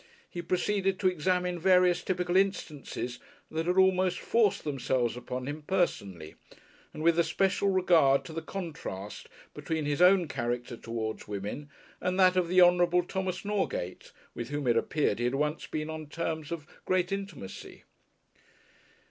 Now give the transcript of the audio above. He proceeded to examine various typical instances that had almost forced themselves upon him personally, and with especial regard to the contrast between his own character towards women and that of the Hon. Thomas Norgate, with whom it appeared he had once been on terms of great intimacy....